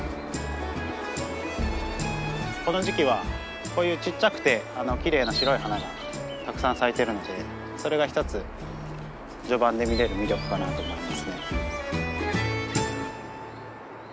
この時期はこういうちっちゃくてきれいな白い花がたくさん咲いているのでそれが一つ序盤で見れる魅力かなと思いますね。